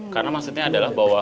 karena maksudnya adalah bahwa